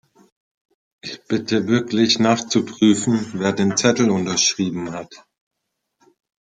Ich bitte, wirklich nachzuprüfen, wer den Zettel unterschrieben hat!